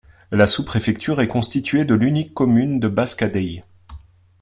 La sous-préfecture est constituée de l’unique commune de Basse-Kadéï.